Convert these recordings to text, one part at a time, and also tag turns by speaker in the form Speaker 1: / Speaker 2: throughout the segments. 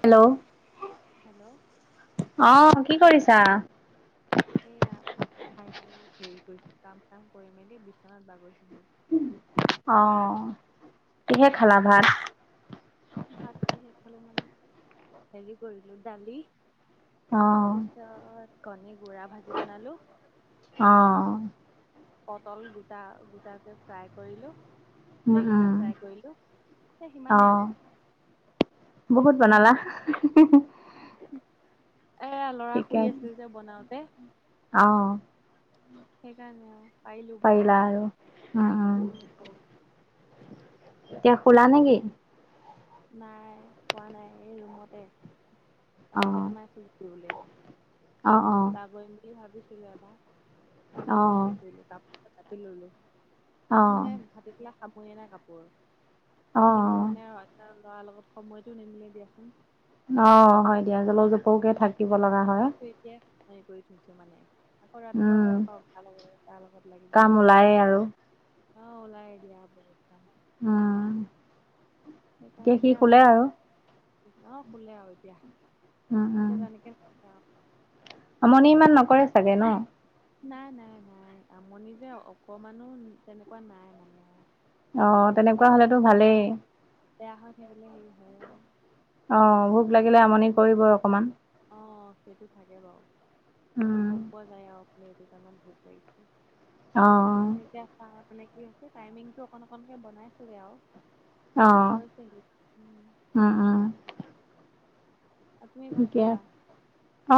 Speaker 1: Hello
Speaker 2: hello
Speaker 1: অ কি কৰিছা?
Speaker 2: এই আ ভাত খাই লৈ হেৰি কৰিছো কাম চাম কৰি মেলি বিচনাত বাগৰিছোহি।
Speaker 1: অ কিহে খালা ভাত?
Speaker 2: ভাত কিহে খালোঁ মানে হেৰি কৰিলো দালি
Speaker 1: অ
Speaker 2: তাৰপিছ- ছত কণী গুড়া ভাজি বনালোঁ।
Speaker 1: অ
Speaker 2: পটল গোটা গোটাকে ফ্ৰাই কৰিলো,
Speaker 1: উম
Speaker 2: বেঙেনা
Speaker 1: উম
Speaker 2: ফ্ৰাই কৰিলো সেই
Speaker 1: অ
Speaker 2: সিমানেই আৰু।
Speaker 1: বহুত
Speaker 2: উম
Speaker 1: বনালা।
Speaker 2: এ ল'ৰা
Speaker 1: ঠিকে
Speaker 2: শুই
Speaker 1: আছে
Speaker 2: আছিল যে বনাওতে।
Speaker 1: অ
Speaker 2: সেইকাৰণে আৰু পাৰিলো
Speaker 1: পাৰিলা
Speaker 2: বনাবলৈ।
Speaker 1: আৰু
Speaker 2: উম
Speaker 1: এতিয়া শুলা নেকি?
Speaker 2: নাই শুৱা নাই এই ৰুমতে।
Speaker 1: অ
Speaker 2: কাপোৰ কেইটামান আছিল ঝাপিবলে।
Speaker 1: অ অ
Speaker 2: বাগৰিম বুলি ভাবিছিলো এবাৰ। তাৰ
Speaker 1: অ
Speaker 2: পিছত হেৰি কৰিলো কাপ- কাটি ললো।
Speaker 1: অ
Speaker 2: মানে ভাটি পেলা খামুৰি নাই কাপোৰ।
Speaker 1: অ
Speaker 2: কিন্তু মানে এটা ল'ৰা লগত সময়তটো নিমিলে দিয়াচোন।
Speaker 1: অ' হয় দিয়া জল জপকে থা-
Speaker 2: তিয়া সময় এতিয়াই সনি কৰি থৈছো মানে- আকৌ ৰাতিপুৱা
Speaker 1: উম
Speaker 2: খোৱা পা উঠাবলে তাৰ লগত লাগিব
Speaker 1: কাম ওলায়ে আৰু
Speaker 2: লাগে- অ ওলাই আহ দিয়া বহুত কাম।
Speaker 1: উম
Speaker 2: সেইকাৰণে
Speaker 1: সি
Speaker 2: এতিয়া
Speaker 1: শুলে
Speaker 2: অকণ
Speaker 1: আৰু
Speaker 2: অকণ অ', শুলে আৰু এতিয়া।
Speaker 1: উম উম
Speaker 2: এতিয়া যেনেকে-
Speaker 1: আমনি ইমান নকৰে চাগে ন?
Speaker 2: নাই নাই নাই আমনি যে অকমানো তেনেকুৱা নাই মানে আৰু- হ'ব
Speaker 1: অঁ
Speaker 2: লগিয়া।
Speaker 1: তেনেকুৱা
Speaker 2: এই
Speaker 1: হ'লেতো
Speaker 2: গাতটোক অকণ
Speaker 1: ভালেই
Speaker 2: বেয়া হৈ থাকিলে হেৰি হয় আৰু।
Speaker 1: অ', ভোক লাগিলে আমনি কৰিবই অকমান।
Speaker 2: অ', সেইটো থাকে বাৰু সেইটো গম পোৱা যায় আৰুপ এইটো টাইমত ভোক লাগিছে।
Speaker 1: অ'
Speaker 2: এনে এতিয়া চা মানে কি হৈছে টাইমিংটো অকন অকনকে বনাইছেগে আৰু। হৈ চাগে উম,
Speaker 1: উম উম,
Speaker 2: আৰু তুমি ভাত
Speaker 1: ঠিকে
Speaker 2: খালা?
Speaker 1: আছে।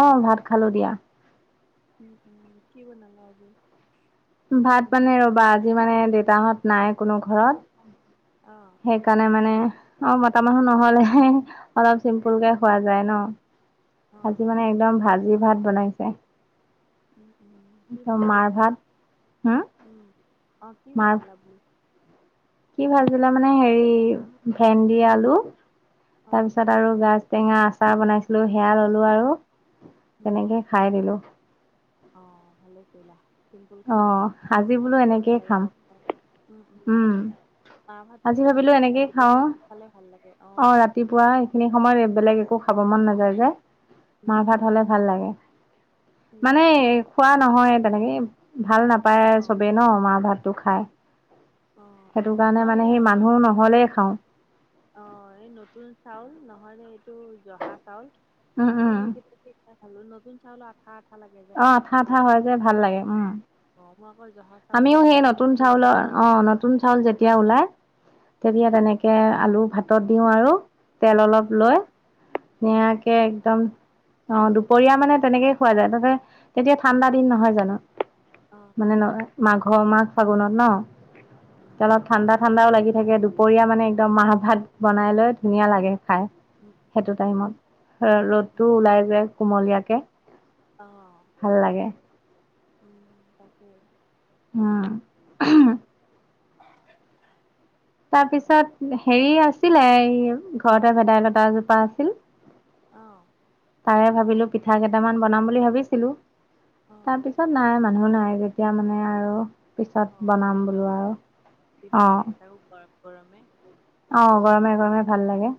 Speaker 1: অ', ভাত খালো দিয়া।
Speaker 2: উম উম কি বনালা আজি?
Speaker 1: ভাত মানে ৰবা আজি মানে দেউতাহঁত নাই কোনো ঘৰত,
Speaker 2: অ',
Speaker 1: সেইকাৰণে মানে অ মতা মানুহ নহলে অলপ চিম্পুল কে খোৱা যায় ন।
Speaker 2: অঁ
Speaker 1: আজি মানে একদম ভাজি ভাত বনাইছে।
Speaker 2: উম উম কি
Speaker 1: একদম মাৰ
Speaker 2: ভাজিলা
Speaker 1: ভাত হম
Speaker 2: উম অ, কি
Speaker 1: মাৰ
Speaker 2: ভাজিলা বোলো?
Speaker 1: কি ভাজিলে মানে হেৰি ভেন্দি, আলু,
Speaker 2: অঁ
Speaker 1: তাৰপিছত আৰু গাছ। টেঙা আচাৰ বনাইছিলোঁ সেয়া ল'লোঁ আৰু, তেনেকে খাই দিলোঁ।
Speaker 2: অ ভালে কৰিলা। চিম্পুল
Speaker 1: অ
Speaker 2: খানা
Speaker 1: আজি বোলো
Speaker 2: তেনেকেও ভাল
Speaker 1: এনেকেই
Speaker 2: লাগে
Speaker 1: খাম
Speaker 2: বাৰু খাই, উম! উম! মাহ ভাততো
Speaker 1: আজি ভাবিলো
Speaker 2: বেছি
Speaker 1: এনেকেই
Speaker 2: ৰাতিপুৱা
Speaker 1: খাও
Speaker 2: টাইমত খালে ভাল লাগে অ।
Speaker 1: অ', ৰাতিপুৱা সেইখিনি সময়ত বেলেগ একো খাব মন নাযায় যে। মাহ ভাত
Speaker 2: উম
Speaker 1: হ'লে ভাল লাগে
Speaker 2: সেইটো
Speaker 1: মানে খোৱা নহয় তেনেকৈ ভাল নাপায়
Speaker 2: অঁ
Speaker 1: চবেই ন মাৰ ভাতটো খায়।
Speaker 2: অঁ
Speaker 1: সেইটো
Speaker 2: অঁ
Speaker 1: কাৰণে
Speaker 2: মই
Speaker 1: মানে
Speaker 2: এয়া
Speaker 1: সেই
Speaker 2: মাহ
Speaker 1: মানুহ
Speaker 2: ভাতটো
Speaker 1: নহ'লেই খাওঁ।
Speaker 2: অ', এই নতুন চাউল নহয়নে এইটো জহা চাউল।
Speaker 1: উম! উম!
Speaker 2: ম এইকেইটা খালোঁ নতুন চাউলো আঠা আঠা লাগে যে
Speaker 1: অ
Speaker 2: খাই
Speaker 1: আঠা
Speaker 2: ভাল
Speaker 1: আঠা
Speaker 2: লাগে।
Speaker 1: হয় যে ভাল লাগে উম
Speaker 2: অ', মই আকৌ জহা চাউল দি
Speaker 1: আমিও সেই
Speaker 2: বনালে মানে
Speaker 1: নতুন
Speaker 2: তিন
Speaker 1: চাউলৰ
Speaker 2: ভাতকে
Speaker 1: অ
Speaker 2: খাওঁ
Speaker 1: নতুন চাউল যেতিয়া ওলাই তেতিয়া
Speaker 2: উম।
Speaker 1: তেনেকে আলু ভাতত দিওঁ আৰু। তেল অলপ
Speaker 2: উম।
Speaker 1: লৈ
Speaker 2: অ',
Speaker 1: ধুনিয়াকে
Speaker 2: তেনেকে খাবি
Speaker 1: একদম অ', দুপৰীয়া মানে তেনেকেই খোৱা যায় তাতে তেতিয়া ঠাণ্ডা দিন নহয় জানোঁ।
Speaker 2: অ',
Speaker 1: মানে ন মাঘৰ মাঘ ফাগুনত ন, এতিয়া
Speaker 2: উম,
Speaker 1: অলপ ঠাণ্ডাত ঠাণ্ডাও লাগি থাকে দুপৰীয়া মানে একদম মাহ ভাত বনাই লৈ ধুনীয়া লাগে খাই।
Speaker 2: উম,
Speaker 1: সেইটো
Speaker 2: উম,
Speaker 1: টাইমত,
Speaker 2: উম।
Speaker 1: ৰ'দটো ওলাই যায় কুমলীয়াকে।
Speaker 2: অ,
Speaker 1: ভাল লাগে
Speaker 2: উম! তাকে।
Speaker 1: উম হ
Speaker 2: [unintelligible]
Speaker 1: তাৰপিছত হেৰি আছিলে এই ঘৰতে ভেদাইলতা এজোপা আছিল।
Speaker 2: অ।
Speaker 1: তাৰে ভাবিলো পিঠা কেইটামান বনাম বুলি ভাবিছিলোঁ,
Speaker 2: অ',
Speaker 1: তাৰ পি ছত নাই মানুহ নাই যেতিয়া মানে আৰু পিছত
Speaker 2: অ',
Speaker 1: বনাম বোলো আৰু অ।
Speaker 2: প [unintelligible] গৰমে
Speaker 1: অ গৰমে গৰমে ভাল লাগে,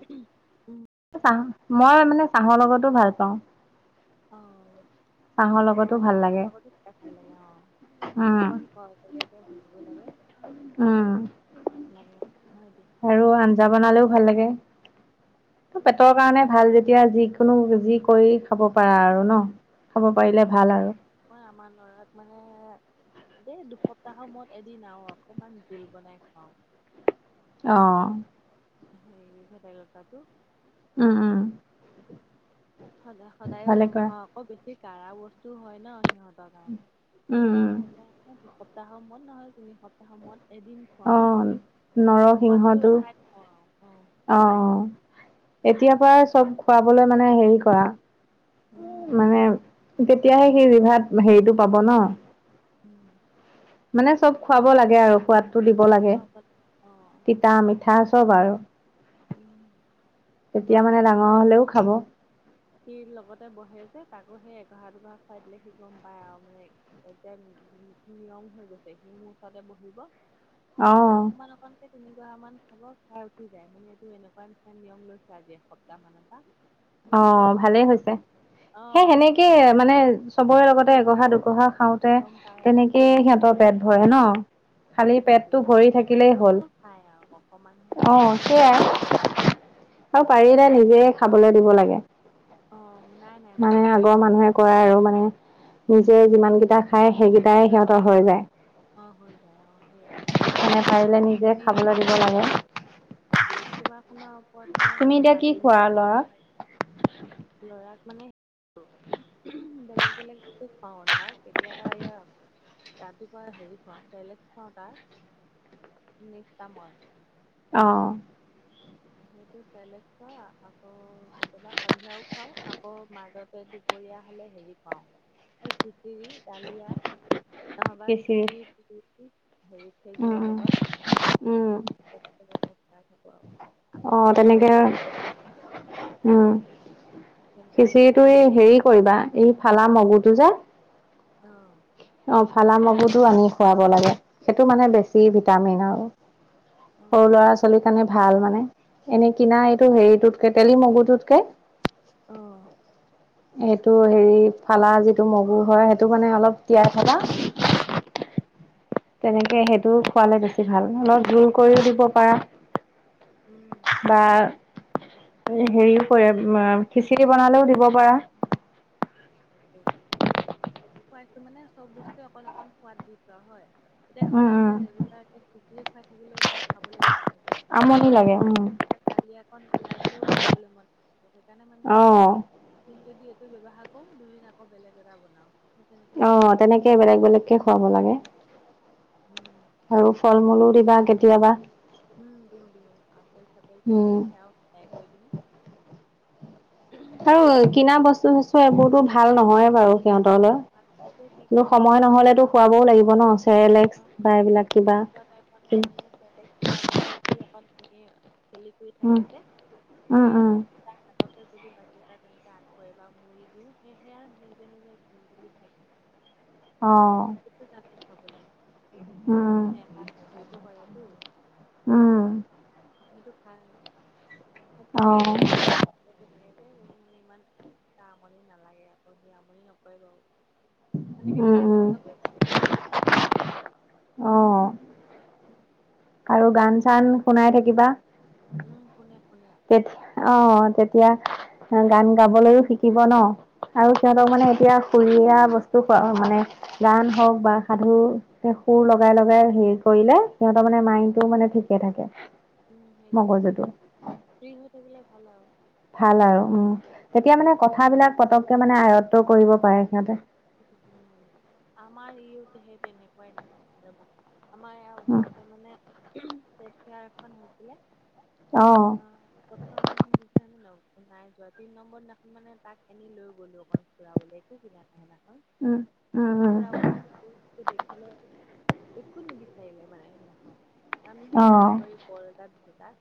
Speaker 2: উম।
Speaker 1: এ চাহ মই মানে চাহৰ লগতো ভাল পাওঁ।
Speaker 2: অ
Speaker 1: চাহৰ
Speaker 2: অ
Speaker 1: লগতো ভাল
Speaker 2: চাহৰ
Speaker 1: লাগে
Speaker 2: লগতো খাই ভাল লাগে অ,
Speaker 1: উম,
Speaker 2: ক অ তেনেকে ভাজিব লাগে।
Speaker 1: উম!
Speaker 2: সোৱাদ লাগে হয় দে
Speaker 1: আৰু আঞ্জা বনালেও ভাল লাগে। অ
Speaker 2: উম।
Speaker 1: পেটৰ কাৰণে ভাল যেতিয়া যিকোনো যি কৰি খাব পাৰা আৰু ন। খাব পাৰিলে
Speaker 2: উম
Speaker 1: ভাল
Speaker 2: তাক
Speaker 1: আৰু
Speaker 2: মই আমাৰ ল'ৰাক মানে এই দুসপ্তাহৰ মূৰত এদিন আৰু অকমান জুল বনাই খুৱাও।
Speaker 1: অ
Speaker 2: সেই ভেদাই লতাটো।
Speaker 1: উম উম!
Speaker 2: সদায় সদায়ো
Speaker 1: ভালে কৰা
Speaker 2: নোখোৱাওঁ আকৌ বেছি কাঢ়া বস্তু হয় ন সিহঁত।
Speaker 1: উম, উম,
Speaker 2: কাৰণে সেইকাৰণে দুসপ্তাহৰ মূৰত নহলে তিনি সপ্তাহৰ মূৰত এদিন খুৱাও আও,
Speaker 1: অ',
Speaker 2: সোৱাদটো
Speaker 1: নৰসিংহটো
Speaker 2: ৰখাই থওঁ আও। অ নিজেই।
Speaker 1: এতিয়া পৰাই চব খুৱাবলৈ মানে হেৰি কৰা।
Speaker 2: উম
Speaker 1: মানে তেতিয়াহে সি জিভাত হেৰিটো পাব ন।
Speaker 2: উম
Speaker 1: মানে
Speaker 2: সেইটোৱে
Speaker 1: চব খুৱাব লাগে আৰু সোৱাদ টো দিব লাগে
Speaker 2: খোৱা পাত অ'
Speaker 1: তিতা-মিঠা চব আৰু।
Speaker 2: উম আকৌ
Speaker 1: তেতিয়া
Speaker 2: আমি
Speaker 1: মানে ডাঙৰ
Speaker 2: খাবলে
Speaker 1: হলেও খাব।
Speaker 2: সি লগতে বহে যে তাকো সেই এঘহা-দুগহা খুৱাই দিলে সি গম পায় আৰু মানে। এতিয়া নিয়ম হৈ গৈছে সি মোৰ ওচৰতে বহিব।
Speaker 1: অ
Speaker 2: [unintelligible] অকমান অকমানকে তিনি গহা মান খাব খাই উঠি যায় মানে। তো' এনেকুৱা নিচনা নিয়ম লৈছে আজি এসপ্তাহ মানৰ পৰা। বুজি পোৱা
Speaker 1: অ' ভালেই হৈছে।
Speaker 2: অ
Speaker 1: সেই সেনেকেই মানে চবৰে লগতে
Speaker 2: ইচ্ছাটো অ
Speaker 1: এঘহা-দুগহা
Speaker 2: টো
Speaker 1: খাওঁতে
Speaker 2: গম পাই আৰু উম
Speaker 1: তেনেকেই সিহঁতৰ পেট ভৰে ন।
Speaker 2: অ
Speaker 1: খালি পেটটো
Speaker 2: সেইটোৱে
Speaker 1: ভৰি
Speaker 2: কিমান
Speaker 1: থাকিলেই হ'ল।
Speaker 2: কণনো খাই আৰু অকমানহে আৰু
Speaker 1: অ'! সেয়াই আৰু পাৰিলে নিজে খাবলৈ দিব লাগে।
Speaker 2: অ নাই নাই মই
Speaker 1: মানে
Speaker 2: দিওঁ
Speaker 1: আগৰ মানুহে কয় আৰু মানে নিজে
Speaker 2: উম
Speaker 1: যিমান কিটা খাই, সেইকেইটাই সিহঁতৰ হৈ যায়।
Speaker 2: অ' হৈ যায়, অ' সেইয়াই।
Speaker 1: সেইকাৰণে পাৰিলে নিজ
Speaker 2: সিও কি কৰে? বেদ কভাৰখনৰ ওপৰত মই
Speaker 1: তুমি
Speaker 2: এনে
Speaker 1: এতিয়া কি
Speaker 2: পাটি নি
Speaker 1: খোৱা ল'ৰাক
Speaker 2: [unintelligible] লৰাক মানে বেলেগ বেলেগকে খোৱাও আৰু ধৰা, কেতিয়াবা এইয়া ৰাতিপুৱা হেৰি খোৱাও চেৰলেক্স খোৱাও তাক। [unintelligible]
Speaker 1: অ'।
Speaker 2: সেইটো চেৰলেক্স খোৱা আকৌ কেতিয়াবা সন্ধিয়াও খুৱাও আকৌ মাজত দুপৰীয়া হলে হেৰি খোৱাও এই খিচিৰি। দালিয়া, ন'হবা
Speaker 1: খিচিৰি
Speaker 2: চুজি [unintelligible] হেৰি।
Speaker 1: উম
Speaker 2: খেজুৰৰ
Speaker 1: উম উম
Speaker 2: লগত [unintelligible] খুৱাই থাকোঁ আৰু। আকৌ
Speaker 1: অ'
Speaker 2: কলৰ
Speaker 1: তেনেকে।
Speaker 2: পিউৰি বনাই
Speaker 1: উম'
Speaker 2: তেনেকে বনাই
Speaker 1: খিচিৰিটো এই
Speaker 2: খুৱাওঁ আকৌ
Speaker 1: হেৰি কৰিবা এই ফালা মগুটো যে।
Speaker 2: অ'।
Speaker 1: অঁ, ফালা মগুটো আনি খুৱাব লাগে, সেইটো মানে বেছি ভিটামিন আৰু।
Speaker 2: অ'
Speaker 1: সৰু
Speaker 2: অ'
Speaker 1: ল'ৰা-ছোৱালী কাৰণে ভাল মানে। এনেই কিনা, এইটো হেৰিটোতকে তেলি মগুটোতকে।
Speaker 2: অঁ।
Speaker 1: এইটো হেৰি, ফালা যিটো মগু হয় সেইটো মানে অলপ তিয়াই থবা। তেনেকে সেইটো খোৱালে বেছি ভাল অলপ জোল কৰিও দিব পাৰা।
Speaker 2: উম।
Speaker 1: বা হেৰিও কৰে খিচিৰি বনালেও দিব পাৰা।
Speaker 2: [unintelligible] সোৱাদটো মানে চব বস্তুৱে অকণ অকণ সোৱাদ দি পোৱা হয়। এতিয়া
Speaker 1: উম
Speaker 2: সদায়
Speaker 1: উম
Speaker 2: মানে, ৰেগুলাৰকে খিচিৰি খুৱাই থাকিলেও তাৰ খাবলে মন নাযায়।
Speaker 1: আমনি লাগে, উম।
Speaker 2: [unintelligible] দালি অকণ বনাই দিলেও খাবলৈ মন নকৰে, সেইকাৰণে মানে
Speaker 1: অ
Speaker 2: দুদিন যদি এইটো ব্যৱহাৰ কৰো, দুইদিন আকৌ বেলেগ এটা বনাওঁ।
Speaker 1: অ' তেনেকে বেলেগ বেলেগকে খোৱাব লাগে।
Speaker 2: অ উম
Speaker 1: আৰু
Speaker 2: সেইটোৱে।
Speaker 1: ফল-মূলো দিবা কেতিয়াবা।
Speaker 2: উম দিও দিও আপেল চাপেল
Speaker 1: উম
Speaker 2: থাকিলে সেয়াও সিজাই কৰি দিও।
Speaker 1: আৰু কিনা বস্তু চস্তু এইবোৰতো ভাল নহয় বাৰু সিহঁতলে
Speaker 2: মাজে মাজে কি
Speaker 1: কিন্তু
Speaker 2: কৰে সি
Speaker 1: সময় নহলেতো খুৱাবও লাগিব ন'
Speaker 2: অ
Speaker 1: চেৰেলেক্স বা এইবিলাক কিবা
Speaker 2: খোৱা টাইমত নহলে চেৰেলেক্স খোৱাৰ পিছত যি অকন এনে খেলি কৰি
Speaker 1: উম
Speaker 2: থাকে যে,
Speaker 1: উম
Speaker 2: সেইয়া
Speaker 1: উম
Speaker 2: তা হাততে যদি বাতি এটা তেনেকে আকৌ এবাৰ মুৰি দিও সেই সেইয়া নিজে নিজে তুলি তুলি খাই থাকে।
Speaker 1: অ
Speaker 2: সেইটো জানেই খাবলে
Speaker 1: উম,
Speaker 2: সে তাত ধৰিব পাৰেতো।
Speaker 1: উম
Speaker 2: সেইটো খায় সেই তেনেকেও
Speaker 1: অ',
Speaker 2: খায় থাকো। থাকে যে মোৰ মানে ইমান এটা আমনি নালাগে আকৌ সি আমনি নকৰে বাও তেনেকে
Speaker 1: উম,
Speaker 2: খালি
Speaker 1: উম।
Speaker 2: ব্যস্ততা নাথাকে আও তাত
Speaker 1: অ
Speaker 2: উম
Speaker 1: আৰু গান চান শুনাই থাকিবা।
Speaker 2: উম, শুনে শুনে।
Speaker 1: তেত অ তেতিয়া গান গাবলৈও শিকিব ন। আৰু সিহঁতক মানে এতিয়া সুৰীয়া বস্তু খোৱা মানে গান হওঁক বা সাধু হে সুৰ লগাই লগাই হেৰি কৰিলে সিহঁত তাৰমানে, মাইণ্ডটোও মানে ঠিকে থাকে।
Speaker 2: উম সেইটোৱে,
Speaker 1: মগজুটো
Speaker 2: ফ্ৰী হৈ থাকিলে ভাল আৰু।
Speaker 1: ভাল আৰু উম তেতিয়া মানে কথাবিলাক পতককে মানে আয়ত্ব কৰিব পাৰে সিহঁতে।
Speaker 2: উ উম আমাৰ ইও সেই তেনেকোৱাই ৰবা। আমাৰ ইয়াৰ
Speaker 1: উম,
Speaker 2: ওচৰতে মানে উহুম হেলথ কেয়াৰ এখন হৈছিলে।
Speaker 1: অ
Speaker 2: উ প্ৰথম দিনা আমি লগত নাই যোৱা, তিনি নম্বৰ দিনাখন মানে তাক এনেই লৈ গ'লো অকণ। ফুৰাবলৈ, একো কিনা নাই সেইদিনাখন
Speaker 1: উম, উম,
Speaker 2: অকল
Speaker 1: উম,
Speaker 2: ফুৰাব নিলো সি দেখিলে একো নিবিচাৰিলে মানে সেইদিনাখন আমি সে
Speaker 1: অ',
Speaker 2: ইচ্ছা কৰি বল এটা দিছো তাক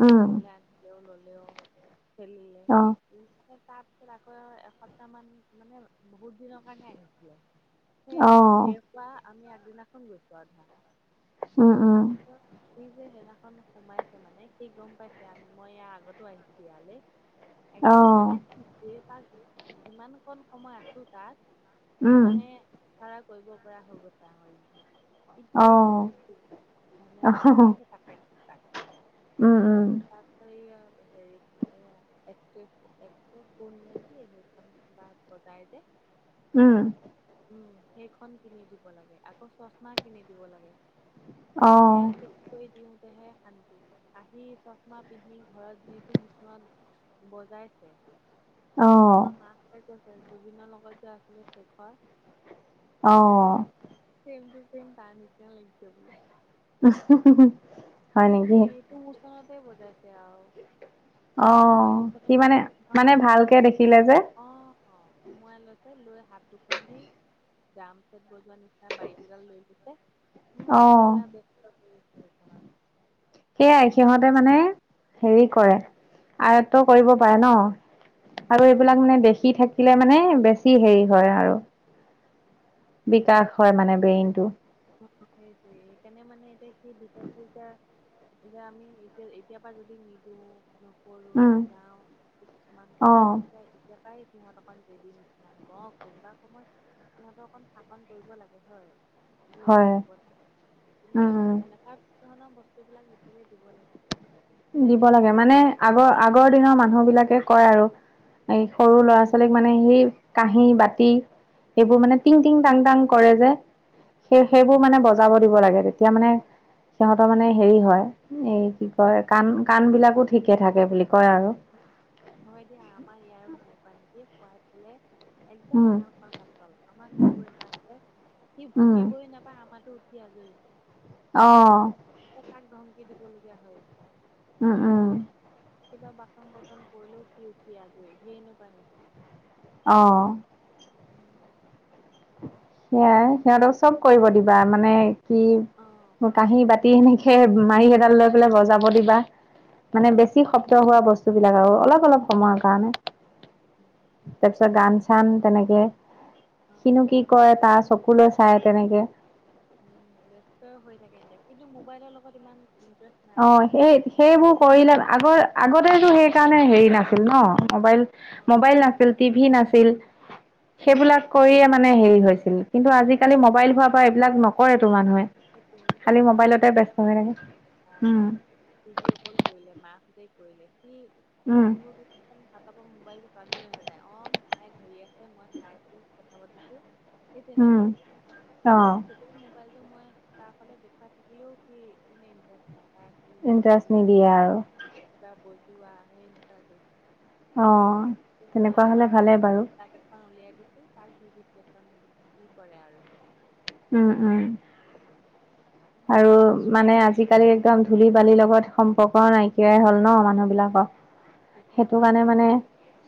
Speaker 2: সি
Speaker 1: উম।
Speaker 2: ঘৰলে আনিলেও ললেও খেলিলে সি উ মানে তাৰপিছত আকৌ এসপ্তাহ মান মানে বহুত দিনৰ কাৰণে আহিছিলে। সেই শেষ হোৱা আমি আগদিনাখন গৈছো আও ধৰা তাৰপিছত সি যে সেইদিনাখন সোমাইছে মানে সি গম পাইছে মই ইয়া আগতো আহিছো ইয়ালে। একদম মানে এ তাক যিমান কণ সময় আছো তাত সি মানে ধাৰা কৰিব পৰা হৈ গৈছে আও সি ইটো ইটো ইটো মানে যি দেখে থাকে তাত
Speaker 1: উম উম
Speaker 2: তাত এইয়া হেৰি এয়া একটিভ একটিভ হল নেকি সেখন কিবা বজাই যে।
Speaker 1: উম
Speaker 2: উম সেইখন কিনি দিব লাগে আকৌ চচমা কিনি দিব লাগে। সেয়াকে কৰি দিওতেহে শান্তি আহি চশমা পিন্ধি ঘৰত যিটো মোচনত বজাইছে। আমাৰ মাক তাই কৈছে জুবিনৰ লগত যে আছিলে শেখৰ
Speaker 1: অঁ
Speaker 2: চেমটো চেমই তাৰ নিচিনা লাগিছে বোলে।
Speaker 1: [unintelligible]
Speaker 2: সি মানে
Speaker 1: নেকি?
Speaker 2: এইটো মুচনতে বজাইছে আও।
Speaker 1: অ',
Speaker 2: ভৰি
Speaker 1: সি
Speaker 2: দুখনৰ
Speaker 1: মানে
Speaker 2: মাজত থম,
Speaker 1: মানে ভালকে দেখিলে যে
Speaker 2: অঁ সোমোৱাই লৈছে, লৈ হাত দুখন দি ড্ৰাম চেট বজোৱাৰ নিচিনা মাৰি দুডাল লৈ লৈছে। উমহ
Speaker 1: অ',
Speaker 2: পুৰা ব্যস্ত হৈ আছে ঘৰত।
Speaker 1: সেয়াই সিহঁতে মানে হেৰি কৰে
Speaker 2: উম
Speaker 1: আয়ত্ব কৰিব পাৰে ন।
Speaker 2: অ
Speaker 1: আৰু এইবিলাক মানে দেখি থাকিলে মানে বেছি হেৰি হয় আৰু, বিকাশ হয় মানে ব্ৰেইনটো।
Speaker 2: অঁ সেইটোৱে সেইকাৰণে মানে এতিয়া সি বিচাৰিছে যেতিয়া যে আমি এতিয়া এতিয়াৰ পৰা যদি নিদিওঁ। নকৰো
Speaker 1: উম,
Speaker 2: নাযাওঁ কিছুমান
Speaker 1: অ',
Speaker 2: ঘৰত তাই এতিয়া পৰাই সিহঁত অকণ জেদিৰ নিচিনা হ'ব, অঁ কোনোবা সময়ত সিহঁতক অকন শাসন কৰিব লাগে হয়। টো
Speaker 1: হয়
Speaker 2: কিন্তু
Speaker 1: উম, উম।
Speaker 2: সেনেকুৱা ধৰণৰ বস্তুবিলাক দেখিলে দিব লাগে।
Speaker 1: দিব
Speaker 2: কিজানিবা
Speaker 1: লাগে
Speaker 2: তাৰ
Speaker 1: মানে,
Speaker 2: পৰাই
Speaker 1: আগৰ
Speaker 2: তাৰ
Speaker 1: আগৰ দিনৰ মানুহ
Speaker 2: আৰম্ভণিটো
Speaker 1: বিলাকে কয়
Speaker 2: হয়
Speaker 1: আৰু। এই সৰু ল'ৰা ছোৱালীক মানে সেই কাঁহী বাতি এইবোৰ
Speaker 2: অ
Speaker 1: মানে তিং তিং তাং তাং কৰে যে, সেইবোৰ মানে বজ জাব দিব লাগে। তেতিয়া মানে সিহঁতৰ মানে হেৰি হয় এই কি কয় কাণ কাণ বিলাকো ঠিকে থাকে বুলি কয় আৰু।
Speaker 2: হয় দিয়া আমাৰ ইয়াৰো তেনেকুৱা নেকি, খোৱাই ফালে একদম
Speaker 1: উম
Speaker 2: কাম পাতল আমাৰ ককুৰ এটা আছে। সি
Speaker 1: উম
Speaker 2: ভুকিবই নাপায় আমাৰতো উঠি আজৰি।
Speaker 1: অঁ
Speaker 2: তাক ধমকি দিবলগীয়া হয় যে।
Speaker 1: উম উম।
Speaker 2: কিবা বাচন বৰ্তন পৰিলেও সি উঠি আজৰি সি এনেকুৱা নি?
Speaker 1: অঁ
Speaker 2: [unintelligible]
Speaker 1: সেয়াই সিহঁতক চব কৰিব দিবা মানে কি
Speaker 2: অ',
Speaker 1: কাঁহী বা তি সেনেকে মাৰি এডাল লৈ পেলাই বজাব দিবা, মানে বে
Speaker 2: উম,
Speaker 1: ছি শব্দ হোৱা বস্তুবিলাক আৰু অলপ অলপ সময়ৰ কাৰণে।
Speaker 2: উম সেইটোৱে
Speaker 1: তাৰপিছত গান চান তেনেকে কিনো
Speaker 2: অ'।
Speaker 1: সি নো কৰে তাৰ চকুলৈ চায় তেনেকে
Speaker 2: উম ব্যস্ত হৈ থাকে এনি টাইম, কিন্তু মোবাইলৰ লগত ইমান ইন্টাৰেষ্ট নাই
Speaker 1: অঁ,
Speaker 2: তাৰ
Speaker 1: সেই
Speaker 2: মানে
Speaker 1: সেইবোৰ
Speaker 2: মা
Speaker 1: কৰিলে আগৰ
Speaker 2: অ',
Speaker 1: আগতেনো সেইকাৰণে হেৰি নাছিল ন। মবাইল মোবাইল নাছিল, টিভি নাছিল
Speaker 2: অ',
Speaker 1: সেইবিলাক কৰি মানে হেৰি হৈছিল, কিন্তু আজিকালি মোবাইল হোৱাৰ পৰা এইবিলাক নক কৰে তো মানুহে,
Speaker 2: এতিয়া
Speaker 1: খালি
Speaker 2: ঘৰৰ
Speaker 1: মোবাইলতে ব
Speaker 2: কোনোবাই
Speaker 1: ব্যস্ত হৈ
Speaker 2: ফোন
Speaker 1: থাকে।
Speaker 2: কৰিলে
Speaker 1: উম
Speaker 2: বা ভিডিঅ' কল কৰিলে মাকহঁতে কৰিলে সি
Speaker 1: উম
Speaker 2: কোনো একদম হাতৰ পৰা মোবাইলটোকাঢ়ি লৈ নাযায়, অ মায়ে ধৰি আছে মই চাই আছো কথা পাতিছো। সেই
Speaker 1: উম
Speaker 2: তেনেকুৱা,
Speaker 1: অ
Speaker 2: কিন্তু তেতিয়া মোবাইলটো মই তাৰ ফালে দেখুৱাই থাকিলেও সি মানে ইণ্টাৰেষ্ট নাই। তাক এইবিলাক
Speaker 1: ইণ্টাৰেষ্ট
Speaker 2: খেলা
Speaker 1: নিদিয়ে
Speaker 2: খেলা
Speaker 1: আৰু
Speaker 2: কিবা বজোৱা সেই [unintelligible]
Speaker 1: অ' তেনেকুৱা হ'লে ভালেই বাৰু।
Speaker 2: খন উলিয়াই দিছোঁ তাক যি দিছে যি কৰে আৰু সি।
Speaker 1: উম, উম।
Speaker 2: [inaudible]
Speaker 1: আৰু মানে আজিকালি একদম ধূলি বালিৰ লগত সম্পৰ্ক নাইকিয়াই হ'ল ন' মানুহ বিলাকৰ?
Speaker 2: বিশষকে
Speaker 1: সেইটো
Speaker 2: আমাৰ
Speaker 1: কাৰণে
Speaker 2: ঘৰত যে
Speaker 1: মানে
Speaker 2: নাই।